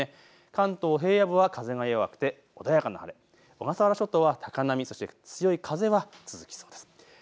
関東平野部は風が弱くて穏やかな晴れ、小笠原諸島は高波、そして強い風は続きそうです。